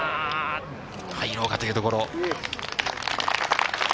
入ろうかというところ。